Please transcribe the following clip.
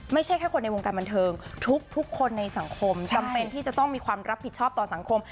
ไม่ใช่แค่คนในวงการบันเทิงทุกคนในสังคมจำเป็นที่จะต้องมีความรับผิดชอบต่อสังคม